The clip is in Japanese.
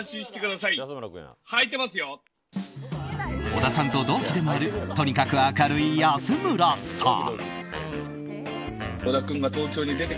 小田さんと同期でもあるとにかく明るい安村さん。